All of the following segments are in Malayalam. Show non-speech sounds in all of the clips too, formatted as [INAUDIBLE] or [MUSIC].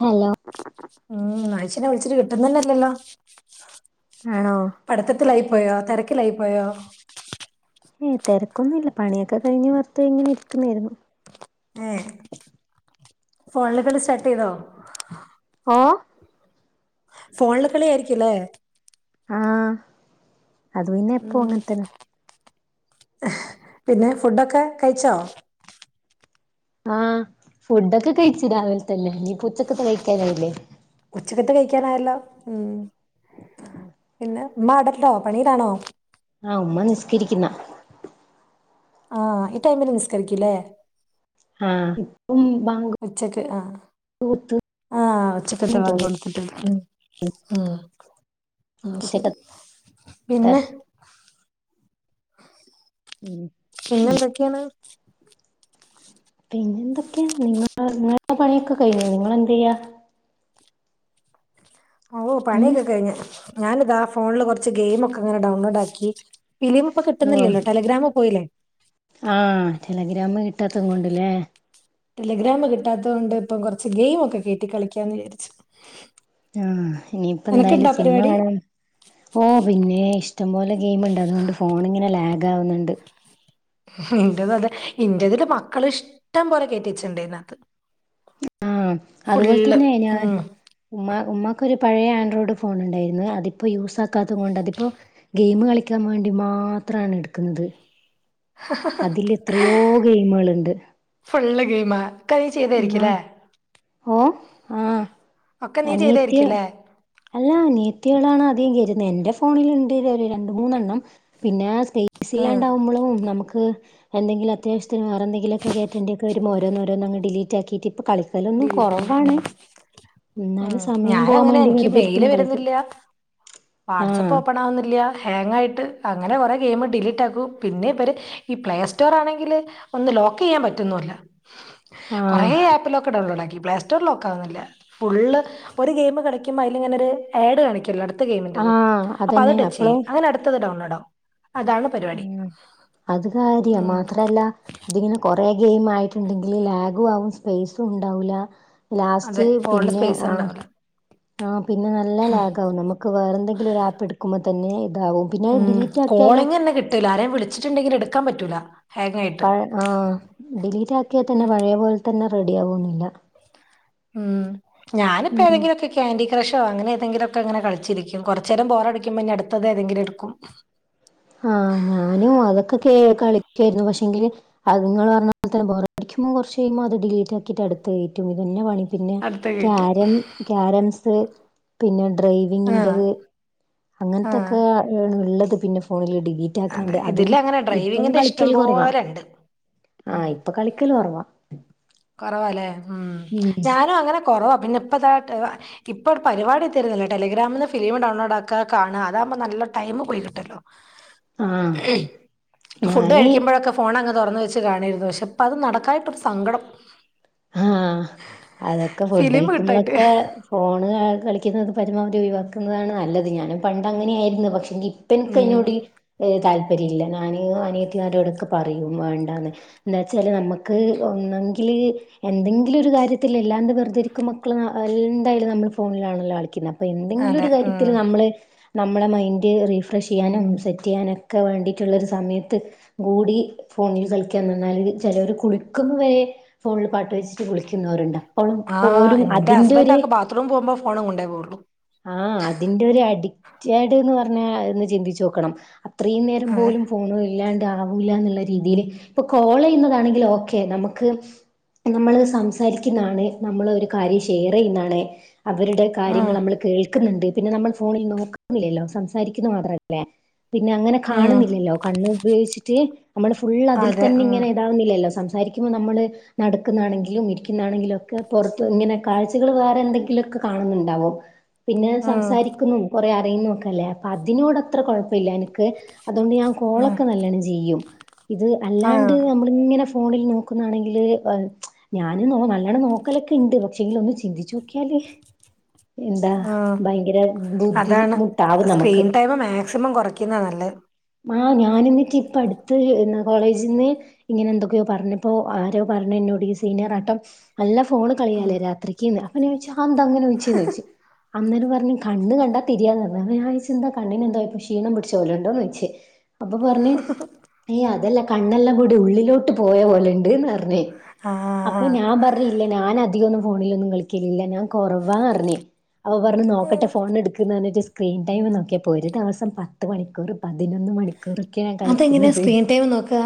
ഹലോ ഉം അയ്ശനെ വിള്ച്ചിട്ട് കിട്ടുന്നന്നെ ഇല്ലല്ലോ ആണോ പട്‌ത്തത്തിലായി പോയോ തെരക്കിലായി പോയോ ഏയ് തെരക്കൊന്നും ഇല്ല പണിയൊക്കെ കഴിഞ്ഞ് വെറ്തെ ഇങ്ങനെ ഇരിക്കുന്നേര്ന്നു ഏഹ് ഫോൺലിൽ സ്റ്റാർടീതോ ഓഹ് ഫോണ്ലെ കളി ആയിരിക്കും ല്ലേ ആഹ് അത് പിന്നെ എപ്പോ ഉം അങ്ങനെത്തന്നെ പിന്നെ ഫുഡൊക്ക കയ്ച്ചോ ആഹ് ഫുഡൊക്ക കയ്ച്ചു രാവിലെ തന്നെ ഞ്ഞിപ്പൊ ഉച്ചത്തത്തെ കയ്ക്കാനായില്ലേ ഉച്ചക്കത്തെ കയ്ക്കാനായല്ലോ ഉം പിന്നെ ഉമ്മ ആടണ്ടോ പണിലാണോ ആഹ് ഉമ്മ നിസ്കരിക്ക്‌ന്ന ആഹ് ഈ ടൈമില് നിസ്കരിക്കുല്ലേ ആഹ് ഉം ബാ ഉച്ചക്ക് ആഹ് ആഹ് ഉച്ചക്കത്തെ വാങ്ക് തോന്നുന്നു കൊട് ത്ത്‌ട്ട് ഉം ഉം അഹ് ശരി ഉച്ചക്കത്തെ പിന്നെ ഉം പിന്നെന്തൊക്കെണ് പിന്നെ എന്തൊക്കെ നിങ്ങള് നിങ്ങള്ടെ പണിയൊക്കെ കഴിഞ്ഞോ നിങ്ങളെന്തീയ്യാ ഓ ഉം പണിയൊക്കെ കഴിഞ്ഞ് ഞാന് ദാ ഫോണ്ല് കൊർച്ച് ഗെയിമൊക്ക ഇങ്ങനെ ഡൗൺലോഡ് ആക്കി ഫിലിമ് പ്പ ആഹ് കിട്ടുന്നില്ലല്ലോ ടെലഗ്രാമ് പോയില്ലേ ആഹ് ടെലഗ്രാമ് കിട്ടാത്തതു കൊണ്ട് ല്ലേ ടെലഗ്രാമ് കിട്ടാത്തതോണ്ട് ഇപ്പം കൊറച്ച് ഗെയിമൊക്കെ കേറ്റി കളിക്കാന്ന് വിചാരിച്ചു ആഹ് ഇഞ്ഞി പ്പ എന്തായ്ലും നിനക്കുണ്ടോ സിനിമ പരിപാടി കാണാൻ ഓഹ് പിന്നെ ഇഷ് ട്ടം പോലെ ഗെയ്മ്ണ്ട് അതുകൊണ്ട് ഫോണിങ്ങനെ ലാഗ് ആവ്ന്ന്ണ്ട് ഇന്റേതും അതെ ഇന്റേതില് മക്കള് ഇഷ്ടം പോലെ കേറ്റി വെച്ച്ണ്ട് തിനത്ത് ആഹ് അതുപോലെ തന്നെ ഞാൻ ഉം ഉമ്മ ഉമ്മക്കൊരു പഴയ ആൻഡ്രോയിഡ് ഫോൺ ഇണ്ടായിര്ന്ന് അതിപ്പോ യൂസാക്കാത്ത് കൊണ്ടതിപ്പോ ഗെയ്മ് കളിക്കാ വേണ്ടി മാത്രണ് എടുക്ക്‌ന്നത് അതിലെത്രയോ ഗെയ്മ്കള്ണ്ട് ഫുള്ള് ഗെയ്മാ എണ്ണാൻ ഓഹ് ആഹ് ഒക്കെ നീ അനിയത്തിയാ ചെയ്തായിരിക്കുംല്ലേ അല്ലാ അനിയത്തികളാണ് അധികം കേരുന്നെ എന്റെ ഫോണില്ണ്ട് ര് ഒരു രണ്ട് മൂന്നെണ്ണം പിന്നെ സ് സ്പേസ് ഇല്ലാണ്ടാകുമ്പൊളും നമുക്ക് എന്തെങ്കിലും അത്യാവശ്യത്തിന് വേറെന്തെങ്കിലൊക്കെ കേടറ്റേണ്ടിയൊക്കെ വരുമ്പോ ഓര് ഓരോന്നോരൊന്നങ്ങ് ഡിലീറ്റ് ആക്കിറ്റിപ്പൊ കളിക്കലൊന്നും ഡിലീറ്റ് ചെയ്യും കൊറവാണ് ഉം എന്നാലും ഉം സമയം പോകാൻ ഞാനങ്ങനെ വേണ്ടി വെറുതെയിരിക്കുമ്പം കളിക്കും വാട്സആപ്പ് ആഹ് ഓപ്പൺ ആവുന്നില്യ ഹാങ്ങായിട്ട് അങ്ങനെ കൊറെ ഗെയ്മ് ഡിലീറ്റ് ആക്കും പിന്നെ ഇവര് ഈ പ്ലേ സ്റ്റോറാണെങ്കില് ഒന്ന് ലോക്ക് ചെയ്യാൻ പറ്റുന്നുല്ല കുറേ ആഹ് ആപ്പിലൊക് ക്ക ഡൗൺലോഡാക്കി പ്ലെസ്റ്റോറ് ലോക്കാകുന്നില്ല ഫുള്ള് ഒരു ഗെയിംമ് കളിക്കുമ്പോ അതില് ഇങ്ങനെരു ആഡ് കാണിക്കുല്ലോ അടുത് ത്ത് ഗെയ്മിന്റെത് ആഹ് അപ്പ അത് അതന്നെ ടച്ച് അപ്പളും ചെയ്യും അങ്ങനെ അടുത്തത് ഡൗൺലോഡാകും അതാണ് പരിപാടി ഉം അത് കാര്യം ഉം. മാത്രല്ല ഇതിങ്ങനെ കൊറെ ഗെയിം ആയിട്ടുണ്ടെങ്കില് ലാഗും ആകും സ്പേസും ഉണ്ടാവൂല്ല അതെ ലാസ്റ്റ് ഫോണിൽ പിന്നെ സ്പേസ് ആഹ് ഉണ്ടാവില്ല ആഹ് പിന്നെ നല്ല ലാഗാകും നമുക്ക് വേറെന്തെങ്കിലും ഒരു ആപ്പ് എടുക്കുമ്പോ തന്നെ ഇതാവും പിന്നെ അത് ഡിലീറ്റാക്കിയാലും ട്ടയില്ല ആരേം വിളിച്ചിട്ടുണ്ടെങ്കി എടുക്കാൻ പറ്റൂല്ല ഹാങ്ങായിട്ട് പഴ ആഹ് ഡിലീറ്റാക്കിയാ തന്നെ പഴേ പോലെ തന്നെ റെഡിയാകുവൊന്നില്ല ഉം ഉം ഞാനിപ്പേതെങ്കിലൊക്കെ കി റ്റാന്റി ക്രഷോ അങ്ങനെ ഏതെങ്കിലൊക്കെ അങ്ങനെ കളിച്ചിരിക്കും കുറച്ച് നേരം ബോറടിക്കുമ്പോ പിന്നെ അടുത്തത് ഏതെങ്കിലും എടുക്കും ആഹ് ഞാനും അതൊക്കെ കേ കളിക്കാരുന്നു പക്ഷെങ്കില് അത് നിങ്ങള് പറഞ്ഞപോലെ തന്നെ ബോറടിക്കും കുറച്ച് കഴിയുമ്പോ അത് ഡീലിറ്റ് ആക്കിട്ട് അടുത്തത് കേറ്റും ഇത് തന്നെ പണി പിന്നെ അടുത്ത കയറ്റും ക്യാരം ക്യാരംസ് പിന്നെ ആഹ് ഡ്രൈവിങ്ങിന്റെത് ആഹ് അങ്ങനത്തൊക്കെ ഉള്ളത് പിന്നെ ഫോണില് ഡിലീറ്റ് അതെ ആക്കാണ്ട് അതും ഇതില് അങ്ങനെ ഇപ്പം ഡ്രൈവിങ്ങിന്റെ ഇഷ്ടം കളിക്കല് കൊറവാ പോലെ ഉണ്ട് ആഹ് ഇപ്പൊ കളിക്കല് കൊറവാ കൊറവാല്ലേ ഉം ഞാനും അങ്ങനെ കൊറവാ പിന്നെ ഇപ്പ ദാട്ട ഇപ്പൊ പരുപാടി തിരുന്നില്ല ടെലഗ്രമിൽന്ന് ഫിലിം ഡൗൺലോഡാക്ക കാണുക അതാകുമ്പോ നല്ല ടൈമ് പോയി കിട്ട്വല്ലോ ആഹ് ഉം ഫുഡ് ഞാന് കഴിക്കുമ്പോഴൊക്ക ഫോണങ്ങ് തുറന്ന് വെച്ച് കാണിരുന്നു പക്ഷേ ഇപ്പ അത് നടക്കായിട്ടൊരു സങ്കടം ആഹ് അതൊക്കെ ഫുഡ് ഫിലിം കിട്ടായിട്ട് കഴിക്കുമ്പോളൊക്കെ ഫോണ് ക കളിക്കുന്നത് പരമാവധി ഒഴിവാക്കുന്നതാണ് നല്ലത് ഞാനും പണ്ട് അങ്ങനെയാരുന്നു പക്ഷെങ്കി ഇപ്പ ഉം എനിക്കയ്നോട് ഏഹ് താല്പര്യല്ല ഞാന് അനിയത്തിമാരോടൊക്കെ പറയും വേണ്ടാന്ന് എന്താ വെച്ചാല് നമ്മുക്ക് ഒന്നെങ്കില് എന്തെങ്കിലും ഒരു കാര്യത്തിലല്ലാണ്ട് വെറുതെയിരിക്കും മക്കള് എന്തായാലും നമ്മള് ഫോണിലാണല്ലോ കളിക്കുന്നെ അപ്പൊ എന്തെങ്കിലും ഒരു അതെ കാര്യത്തില് ഉം നമ്മള് നമ്മളെ മൈൻഡ് റീഫ്രഷ് ചെയ്യാനും സെറ്റ്ചെയ്യാനൊക്കെ വേണ്ടിട്ടുള്ളൊരു സമയത്ത് കൂടി ഫോണിൽ കളിക്കാന്ന് പറന്നാല് ചിലവര് കുളിക്കുമ്പോ വരെ ഫോണിൽ പട് വെച്ചിട്ട് കുളിക്കുന്നോരുണ്ട് അപ്പോളും പോലും അതിന്റെ ഒര് ത്രൂമി പോക്മ്പോ ഫോണും കൊണ്ടേ പോകുള്ളൂ ആഹ് അതിന്റെ ഒരു അഡിക്റ്റായിഡ് എന്ന് പറഞ്ഞ അന്ന് ചിന്തിച്ചു നോക്കണം അത്രേം നേരം അതെ പോലും ഫോണു ഇല്ലാണ്ട് ആവൂല്ലാന്നുള്ള രീതില് ഇപ്പൊ കോള് ചെയ്യുന്നതാണെങ്കില് ഓക്കെ നമുക്ക് നമ്മള് സംസാരിക്കുന്നതാണ് നമ്മൾ ഒരു കാര്യം ഷെയറ് ചെയ്യുന്നതാണെ അവരുടെ കാര്യങ്ങൾ ഉം നമ്മള് ക്ക്ന്ന്ണ്ട് പിന്നെ നമ്മൾ ഫോണിൽ നോക്ക്ന്നില്ലല്ലോ സംസാരിക്കുന്ന മാത്രല്ലേ പിന്നെ അങ്ങനെ ഉം കാണുന്നില്ലല്ലോ കണ്ണ് ഉപയോഗിച്ചിട്ട് നമ്മള് ഫുള്ള് അതിൽ അതെ തന്നെ ഉം ഇങ്ങനെ താ വന്നില്ലല്ലോ സംസാരിക്കുമ്പോൾ നമ്മള് നടക്കുന്നാണെങ്കിലും ഇരിക്കുന്നാണെങ്കിലും ഒക്കെ പുറത്ത് ഇങ്ങനെ കാഴ്ച്ചകള് വേറെ എന്തെങ്കിലൊക്കെ കാണുന്നുണ്ടാവോ പിന്നെ ഉം സംസാരിക്കുന്നും കൊറെ അറിയുന്നു ഒക്കെ അല്ലേ അപ്പൊ അതിനോട് അത്ര കൊഴപ്പയില്ല എന്ക്ക് അതുകൊണ്ട് ഞാൻ ഉം കോളൊക്കെ നല്ലണം ചെയ്യും ഇത് ആഹ് അല്ലാണ്ട് നമ്മള് ഇങ്ങനെ ഫോണിൽ നോക്കുന്നാണെങ്കില് ആഹ് ഞാനും നോ നല്ലോണം നോക്കലൊക്കെ ഉണ്ട് പക്ഷെ എങ്കില് ഒന്ന് ചിന്തിച്ചു നോക്കിയാല് എന്താ ഉം ഭയങ്കര ബുദ്ധിമുട്ടാവും നമക്ക് ക്സിമം കൊറയ്ക്കുന്ന നല്ലെ ആഹ് ഞാനിന്നിട്ട് ഇപ്പ അട്ത്ത് കോളേജിന്ന് ഇങ്ങനെ എന്തൊക്കൊയോ പറഞ്ഞപ്പോ ആരോ പറഞ്ഞു എന്നോട് ഈ സീനിയറാട്ടം നല്ല ഫോണ് കളിയാലേ രാത്രിക്കീന്ന് അപ്പ ഞാൻ ചോയിച്ച് അയെന്താ അങ്ങനെ ചോയ്ച്ചേന്ന് ചോയ്ച്ചു അന്നേര് പറഞ്ഞ് കണ്ണ് കണ്ടാ തിരിയാന്നറഞ്ഞ് അപ്പഞാനോയ്ച്ച് എന്താ കണ്ണിന് എന്താഴൊപ്പം ക്ഷീണം പിടിച്ചോലുണ്ടോന്നോയ്ച്ച് അപ്പൊ പറഞ്ഞ് ഏയ് അതെല്ല കണ്ണെല്ലാം കൂടി ഉള്ളിലോട്ട് പോയപോലിണ്ട്ന്നറ അപ്പൊ ആഹ് ഞാൻ പറഞ്ഞ് ഇല്ല ഞാനധികോന്നും ഫോണിലൊന്നും കളിക്കലില്ല കൊറവാറിഞ്ഞി അപ്പ പറഞ്ഞു നോക്കട്ടെ ഫോൺ എടുക്ക് നറഞ്ഞിട്ട് സ്ക്രീൻ ടൈം നോക്കിയപ്പ ഒരു ദിവസം പത്ത് മണിക്കൂർ പതിനൊന്ന് മണിക്കൂറൊക്കയാ അതെങ്ങനെയാ കാണിക്കുന്നത് സ്ക്രീൻ ടൈം നോക്കുക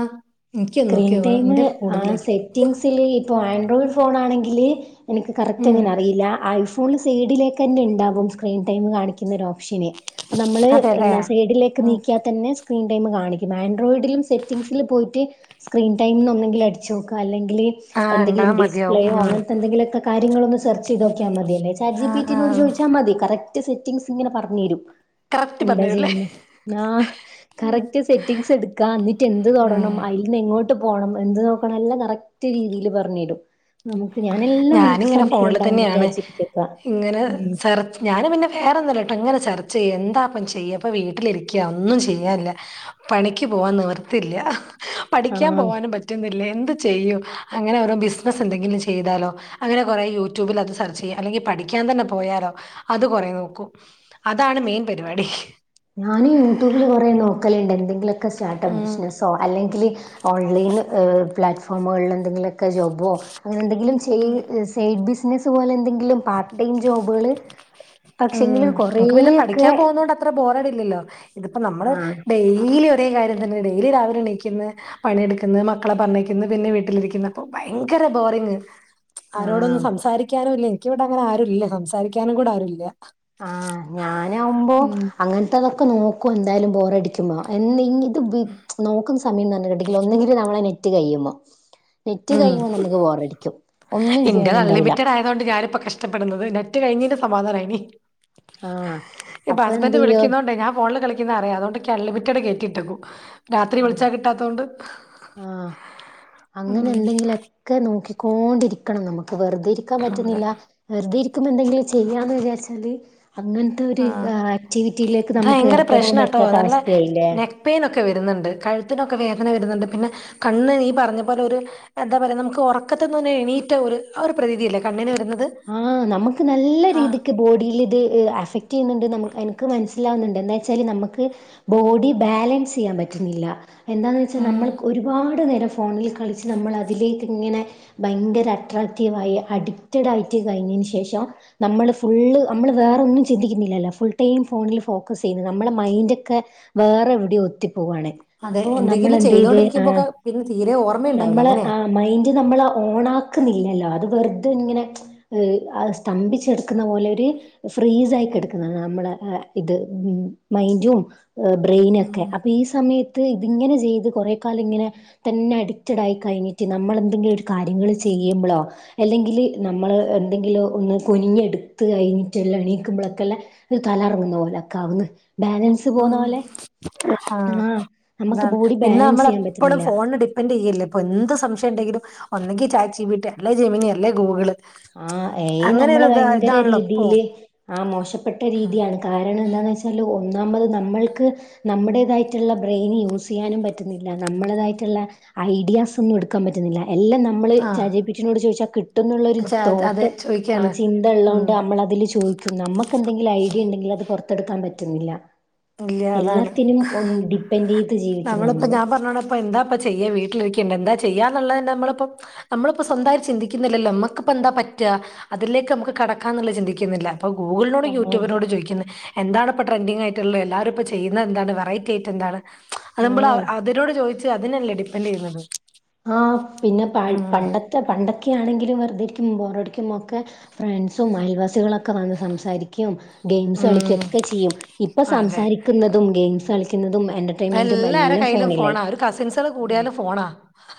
എനിക്കൊന്ന് സ്ക്രീൻ നോക്കിയോക്കണം ടൈം എന്റെ ആഹ് സെ കൂടുതലായിരിക്കും സെറ്റിഗ്സിൽ ഇപ്പൊ ആൻഡ്രോയിഡ് ഫോൺ ആണെങ്കില് എനിക്ക് ഉം കറക്റ്റ്ങ്ങനെ അറിയില്ല ഐ ഫുള് സീഡിലേക്കന്നെ ഇണ്ടാവും സ്ക്രീൻ ടൈം കാണിക്കുന്ന ഓപ്ഷന് അപ്പ നമ്മളെ അതെല്ലേ എന്ന സൈഡിലേക്ക് ഉം നീക്കി തന്നെ സ്ക്രീൻടൈം കാണിക്കും ആൻഡ്രോയിഡിലും സെറ്റിംഗങ്സിൽ പോയിട്ട് സ്ക്രീൻ ടൈംന്ന് ഒന്നെങ്കിൽ അടിച്ചോക്ക അല്ലെങ്കില് ആഹ് ഉണ്ടാ എന്തെങ്കിലും മതിയാവും ഡിസ്പ്ലേയോ ഉം അങ്ങനത്തെ എന്തെങ്കിലൊക്കെ കാര്യങ്ങള് ഒന്ന് സെർച്ച് ചെയ്ത് നോക്കിയമതിയല്ലെ ചാറ്റ്ജിപി ആഹ് റ്റീനോട് ആഹ് ചോയ്ച്ച മതി കറക്റ്റ് സെറ്റിംഗ്സ് ഇങ്ങനെ പറഞ്ഞരും കറക്റ്റ് പറഞ്ഞരുല്ലേ ആ കറക്റ്റ് സെറ്റിംഗ്സ് എട്ക്ക ന്നിട്ട് എന്ത് തൊടണം ഉം. ഇന്ന് എങ്ങോട്ട് പോണം എന്ത് നോക്കണം എല്ലാം കറക്റ്റ് രീതില് പർഞ്ഞരും നമുക്ക് ഞാനെല്ലാം എനിക്ക് ഞാനിങ്ങനെ സംശയം ഫോണിൽ ഇണ്ടാവുമ്പ തന്നെയാണ് ചാറ്റ്ജീപ്പി ച്ചോയ്ക്ക ഉം ഞാനും പിന്നെ വേറൊന്നൂല്ലാട്ടോ ഇങ്ങനെ സെർച്ചെയ്യും എന്താപ്പം ചെയ്യ ഇപ്പ വീട്ടിലിരിക്ക ഒന്നും ചെയ്യാനില്ല പണിക്ക് പോവാൻ നിവർത്തില്ല ആ പഠിക്കാൻ പോവാനും പറ്റുന്നില്ല എന്ത് ചെയ്യും അങ്ങനെ ഓരോ ബിസ്നസ്സ് എന്തെങ്കിലും ചെയ്താലോ അങ്ങനെ കൊറേ യൂട്യൂബിൽ അത് സെർച്ചെയ്യും അല്ലെങ്കി പഠിക്കാൻ തന്നെ പോയാലോ അത് കൊറെ നോക്കും അതാണ് മെയിൻ പരിവാടി ഞാനും യൂട്യൂബില് കൊറെ നോക്കലിണ്ട് എന്തെങ്കിലൊക്കെ സ്റ്റാർട്ടഅപ്പ് ഉം ബിസ്നസ്സോ അല്ലെങ്കില് ഓൺലൈന്ന് പ്ലാറ്റ്ഫോമുകൾല് എന്തെങ്കിലൊക്കെ ജോബോ അങ്ങനെ എന്തെങ്കിലും ചെയ് ഉം സൈഡ് ബിസ്നസ് പോലെ എന്തെങ്കിലും പാർട്ട് ടൈം ജോബുകള് പക്ഷെങ്കില് ഉം നമുക്ക് പിന്നെ കൊറേയെക്കെ പഠിക്കാൻ പോകുന്നോണ്ട് അത്ര ബോറടില്ലല്ലോ ഇതിപ്പ നമ്മള് ഡെയിലി ഒരേ കാര്യം തന്നെ ഡെയിലി രാവിലെ എണീക്ക്ന്ന് പണിയെടുക്ക്ന്ന് മക്കളെ പറഞ്ഞയിക്ക്ന്ന് പിന്നെ വീട്ടിലിരിക്ക്ന്ന് അപ്പൊ ഭയങ്കര ബോറിങ് ആ ആരോടൊന്നും സംസാരിക്കാനൂല്ല എൻക്കിവിടെ അങ്ങനെ ആരുല്ല സംസാരിക്കാനും കൂടെ ആരുല്ല ആ ഞാനാവുമ്പൊ ഉം അങ്ങൻത്തതൊക്കെ നോക്കും എന്തായാലും ബോറടിക്കുമ്പൊ എന്തെങ്കി നോക്കുന്ന സമയന്നർഞ്ഞ്ട്ട്ണ്ടെങ്കില് ഒന്നെങ്കില് നമ്മളെ നെറ്റ് കയ്യുമ്പ നെറ്റ് ഉം കഴിയുമ്പം നമുക്ക് ബോറടിക്കും ഒന്നും ചെയ്യാനിണ്ടാവൂല അതോണ്ട് ഞാനിപ്പ കഷ്ടപ്പെടുന്നത് നെറ്റ് കഴിഞ്ഞിന്റെ സമാധാനായിനി ആഹ് ഇപ്പ അപ്പൊ എന്ത് ഹസ്ബന്ഡ് ചെയ്യും വിളിക്കുന്നോണ്ടേ ഞാൻ ഫോണില് കളി ന്നറിയാം അതോണ്ടെൻക്ക് അൺലിമിറ്റഡ് കേറ്റിട്ടക്കും രാത്രി വിൾച്ചാ കിട്ടാത്തോണ്ട് ആ ഉം അങ്ങനെ എന്തെങ്കിലൊക്കെ നോക്കിക്കോണ്ടിരിക്കണം നമുക്ക് വെർതെ ഇരി ക്കാൻ അതെ പറ്റുന്നില്ല വെർതെ ഇരിക്കുമ്പം എന്തെങ്കിലും ചെയ്യാന്ന് വിചാരിച്ചാല് അങ്ങൻ ത്തൊരു ആഹ് ആക്ടിവിറ്റിയിലേക്ക് നമുക്ക് ഏർപ്പെടാൻ പറ്റാത്ത അവസ്ഥയായില്ലേ പേയ്നൊക്കെ വരുന്നുണ്ട് കഴുത്തിനൊക്കെ വേദന വരുന്നുണ്ട് പിന്നെ കണ്ണ് നീ പർഞ്ഞ പോലെ ഒരു എന്താ പറയാ നമുക്ക് ഒറക്കത്ത്ന്ന് ഒന്ന് എണീറ്റ ഒരു ആ ഒരു പ്രതീതിയല്ലെ കണ്ണിന് വരുന്നത് ആ നമ്മക്ക് നല്ല ആ രീതിക്ക് ബോഡില് ഇത് അഫക്ട് ചെയ്യുന്നുണ്ട് നമക്ക് എൻക്ക് മൻ ലാവ്ന്ന്ണ്ട് എന്താച്ചാല് നമ്മക്ക് ബോഡി ബാലൻസ്സെയ്യാൻ പറ്റുന്നില്ല എന്താന്ന് വെച്ച ഉം നമ്മൾ ഒരുപാട് നേരം ഫോണില് കളിച്ച് നമ്മൾ അതിലേക്ക്ങ്ങനെ ഭയങ്കര അട്രാക്റ്റീവ് ആയി അഡിക്റ്റ്ഡ് ആയിട്ട് കഴിഞ്ഞേന് ശേഷം നമ്മള് ഫുള്ള് നമ്മള് വേറൊന്നും ചിന്തിക്കുന്നില്ലല്ലോ ഫുൾ ടൈം ഫോണിൽ ഫോക്കസ് ചെയ്യുന്നു നമ്മള മൈൻഡോക്കെ വേറെ എവിടെയൊ ഒത്തി പോവാണ് അതെ അപ്പോ നമ്മള് എന്തെങ്കിലും എന്ത് ചെയ്ത് ആ ചെയ്തോണ്ടിരിക്കുമ്പോ ഒക്കെ പിന്നെ തീരെ ഓർമ്മയുണ്ടാവില്ല നമ്മളെ അങ്ങനെയാ ആ മൈൻ ഡ് നമ്മള് ഓണാക്കുന്നില്ലല്ലോ അത് വെർതെ ഇങ്ങനെ അത് സ്തംഭിച്ചെടുക്കുന്ന പോലെ ഒര് ഫ്രീസ് ആയികെടക്കുന്ന നമ്മള ഇത് ഉം മൈൻഡും ബ്രെയിനക്കെ ഉം അപ്പ ഈ സമയത്ത് ഇതിങ്ങനെ ചെയ്ത് കുറെക്കാലം ഇങ്ങനെ തന്നെ അഡിക്റ്റഡ് ആയി കഴിഞ്ഞിട്ട് നമ്മള് എന്തെങ്കിലു ഒരു കാര്യങ്ങൾ ചെയ്യുമ്പളോ അല്ലെങ്കില് നമ്മള് എന്തെങ്കിലോ ഒന്ന് കുനിഞ് എടുത്ത് കഴിഞ്ഞിട്ട്ല്ല എണീക്കുമ്പളക്കള്ള തലറങ്ങുന്ന പോലെക്ക ആവുന്ന് ബാലൻസ് പോകുന്ന ഉം പോലെ ആ ആഹ് നമുക്ക് അതാണ് ബോഡി പിന്നെ ബാലൻസ് നമ്മള് ചെയ്യാൻ എപ്പളും പറ്റുന്നില്ല ഫോൺന് ഡി പ്പന്റയ്യല്ലേ ഇപ്പൊ എന്ത് സംശയണ്ടെങ്കിലും ഒന്നെങ്കി ചാറ്റ് ജി ബി ട്ടി അല്ലേ ജെമിനി അല്ലേ ഗൂഗ്ള് ആ എ അയ് നമ്മള ഭയങ്കര ഇപ്പോ രീതിയില് ആ മോശപ്പെട്ട രീതിയാണ് കാരണം എന്താന്ന് വെച്ചാല് ഒന്നാമത് നമ്മൾക്ക് നമ്മുടേതായിട്ടുള്ള ബ്രെയിന് യൂസ് ചെയ്യാനും പറ്റുന്നില്ല നമ്മടേതായിട്ട്ള്ള ഐഡിയാസ് ഒന്നും എടുക്കാം പറ്റുന്നില്ല എല്ലാം നമ്മള് ആഹ് ചാറ്റ് ജി ബി ട്ടി നോട് ചോദിച്ചാ കിട്ടുന്നുള്ളരു ചാ അതെ ആ ചോദിക്കാണ് ചിന്ത ഉം ഇള്ളോണ്ടാ നമ്മള അതില് ചോയിക്കും നമ്മക്ക് എന്തെങ്കിലു ഐഡിയ ഇണ്ടെങ്കില് അത് പൊർത്തെടുക്കാൻ പറ്റുന്നില്ല ഇല്ല അതാണ് എല്ലാത്തിനും ഒൻ ഡിപ്പെൻഡ് ചെയ്ത് ജീവിക്കും നമ്മള് അപ്പൊ എന്താപ്പ ചെയ്യ വീട്ടിലിരിക്കണ്ടെ എന്താ ചെയ്യാന്ന്ള്ള നമ്മള്പ്പം നമ്മളിപ്പോ സ്വന്തമായി ചിന്തിക്കുന്നില്ലല്ലോ. നമ്മക്കിപ്പ എന്താ പറ്റുക, അതിലേക്ക് നമ്മുക്ക് കടക്കാന്നുള്ള ചിന്തിക്കുന്നില്ല. അപ്പ ഗൂഗളിനോടും ആ യൂടൂബിനോട് ചോദിക്കുന്നെ എന്താണ് ഇപ്പ ട്രെൻഡിങ്യ യിട്ടുള്ളെ എല്ലാരും ഇപ്പ ചെയുന്ന എന്താണ്, വെറൈറ്റി ആയിട്ട് എന്താണ് ആ [UNINTELLIGIBLE] അതിനോട് ചോ അതിനല്ലേ ഡിപ്പെന്റ് ചെയ്യുന്നത്. ആ പിന്നെ ഉം പണ്ടതെ പണ്ടൊക്കാണെങ്കിലും വെറുതെ ഇരിക്കുമ്പോ ബോറടിക്കുമ്പോക്കെ, ഫ്രണ്ട്സും അയൽവാസികളൊക്കെ വന്ന് സംസാരിക്കും. ഗെയിംസ് ഉം കളിക്കൊക്കെ ചെയ്യും. ഇപ്പൊ അതെ സംസാരിക്കുന്നതും ഗെയിംസ് കളിക്കുന്നതും എന്റെ ഇപ്പ എല്ലാരടെ കയ്യിലും ഫോണാ. ഒരു കസിൻസുകള് ഉം കൂടിയാലും ഫോണാ.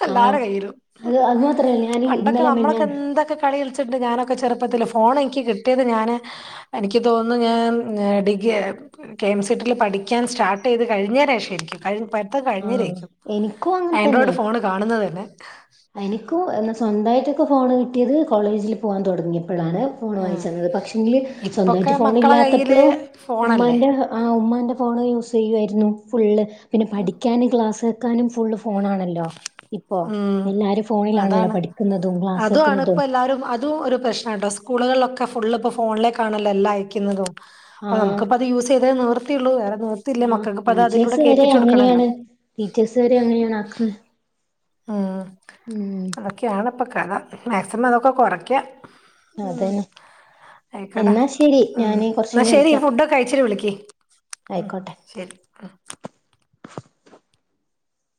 എല്ലാരു ആഹ് കയ്യിലും. അത് അത് മാത്രല്ല ഞാൻ പണ്ടൊക്കെ ഇന്നലെ നമ്മളൊക്കെ മിനിഞ്ഞാന്ന് എന്തൊക്കെ, കളി കളിച്ചിട്ടണ്ട് ഞാനൊക്കെ ചെറുപ്പത്തിൽ. ഫോൺ എനിക്ക് കിട്ടിയത് ഞാന്, എനിക്ക് തോന്നുന്നു ഞാമ് ഞാ degree K M C T ൽ പഠിക്കാൻ സ്റ്റാർട്ട് ചെയ്ത് കഴിഞ്ഞര രിക്കും കഴി പട്ത്ത ആഹ് കഴിഞ്ഞരിക്കും, എനിക്കും ആൻഡ്രോയിഡ് ഫോണ് കാണുന്നത് തന്നെ. എനിക്കു എന്ന സ്വന്തമായിട്ടൊക്കെ ഫോണ് കിട്ടിയത് കോളേജിൽ പോകാൻ തുടങ്ങിയപ്പളാണ്. ഫോണ് ആഹ് വാങ്ങിച്ചന്നത്. പക്ഷെങ്കില് ഇപ്പൊക്കെ സ്വന്തമായിട്ട് ഫോൺ മക്കളെ കയ്യില് ഇല്ലാത്തപ്പോഴും ഫോണല്ലേ. ഉമ്മാന്റ, ആ ഉമ്മാന്റെ ഫോണ് യൂസ് ചെയ്യായിരുന്നു ഫുള്ള്. പിന്നെ പഠി ക്ലാസ് വെക്കാനും ഫുള്ള് ഫോണ് ആണല്ലോ. ഇപ്പോ ഉം എല്ലാരും ഫോണിലാണല്ലോ അതാണ് പഠിക്കുന്നതും ക്ലാസ് അതുമാണ് വെക്കുന്നതും. [UNINTELLIGIBLE] അതും ഒരു പ്രശ്നം ആണ് ട്ടാ സ്കൂളുകളിലൊക്കെ ഫുള്ള് ഇപ്പ ഫോണിലെക്കാണല്ലോ എല്ലാ അയക്കുന്നതും. ആ ഓന്ക് പ അത് യൂസ് ചെയ്ത നിവർത്തിയുള്ളൂ. വേറെ നിവർ ആ ടീച്ചേഴ്സ് വരെ അങ്ങനെയാണ്, ടീച്ചേഴ്സ് വരെ അങ്ങനെയാണ് ആക്കുന്ന. ഉം അതൊക്കെയാണ് ഇപ്പൊ കഥ. മാക്സിമം അതൊക്കെ കുറയ്ക്കാ. ഉം അതന്നെ ആയിക്കോട്ടാ എന്നാ ശരി ഉം ഞാന് കുറച്ച് എന്ന കഴിഞ്ഞ് ശരി. വിളിക്കാം ഫുഡ ക്കെ കഴിച്ചിട്ട് വിളിക്ക്. ഉം ആയിക്കോട്ടെ ശരി.